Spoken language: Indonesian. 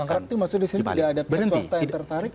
kontrak itu maksudnya di sini tidak ada pihak swasta yang tertarik